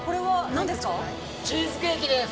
チーズケーキです！